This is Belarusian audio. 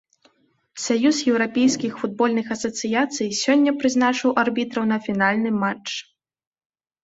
Саюз еўрапейскіх футбольных асацыяцый сёння прызначыў арбітраў на фінальны матч.